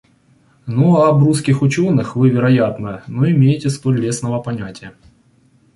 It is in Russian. Ну, а об русских ученых вы, вероятно, но имеете столь лестного понятия?